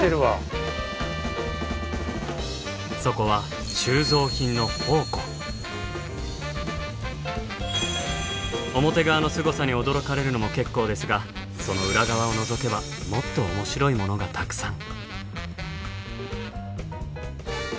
そこは表側のすごさに驚かれるのも結構ですがその裏側をのぞけばもっと面白いものがたくさん。